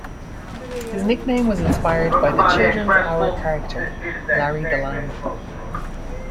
His nickname was inspired by the Children's Hour character Larry the Lamb.